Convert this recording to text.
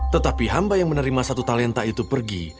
tetapi hamba yang menerima satu talenta itu pergi